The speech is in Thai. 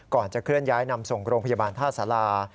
ก่อนจะเคลื่อนย้ายนำส่งโรงพยาบาลท่าสารา